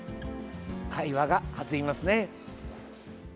会話が弾みますね！